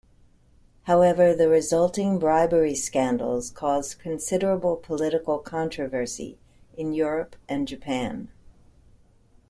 However, the resulting bribery scandals caused considerable political controversy in Europe and Japan.